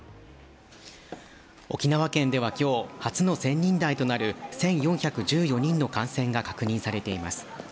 沖縄県では今日初の１０００人台となる１４１４人の感染が確認されています。